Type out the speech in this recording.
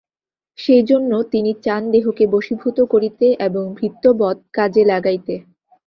সেইজন্য তিনি চান দেহকে বশীভূত করিতে এবং ভৃত্যবৎ কাজে লাগাইতে।